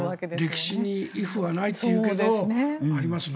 歴史にイフはないというけどありますな。